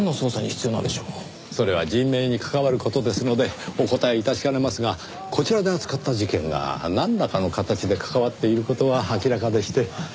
それは人命に関わる事ですのでお答え致しかねますがこちらで扱った事件がなんらかの形で関わっている事は明らかでして。